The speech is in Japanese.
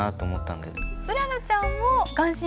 うららちゃんも顔真？